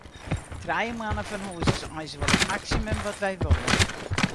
Trije moanne fan hûs is eins wol it maksimum wat wy wolle.